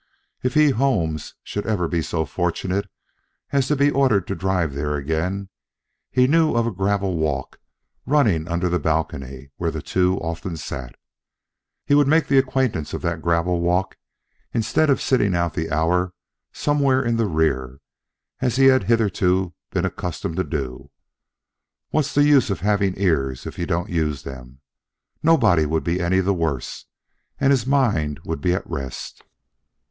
If he, Holmes, should ever be so fortunate as to be ordered to drive there again, he knew of a gravel walk running under the balcony where the two often sat. He would make the acquaintance of that gravel walk instead of sitting out the hour somewhere in the rear, as he had hitherto been accustomed to do. What's the use of having ears if you don't use them? Nobody would be any the worse, and his mind would be at rest.